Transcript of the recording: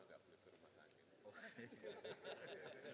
kalau sabtu dua belas